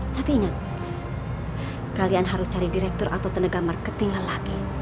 tapi ingat kalian harus cari direktur atau tenaga marketing lagi